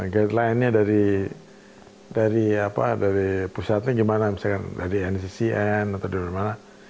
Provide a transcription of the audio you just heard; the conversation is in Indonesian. guideline nya dari pusatnya gimana misalkan dari nccn atau dari mana